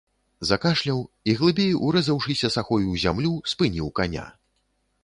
Закашляў і, глыбей урэзаўшыся сахой у зямлю, спыніў каня.